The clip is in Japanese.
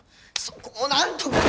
そこを何とか！